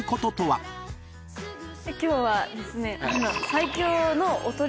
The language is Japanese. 今日はですね。